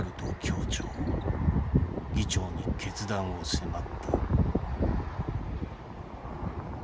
議長に決断を迫った」。